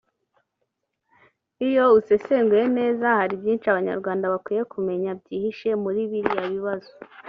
Iyo usesenguye neza hari byinshi Abanyarwanda bakwiye kumenya byihishe muri biriya bibazo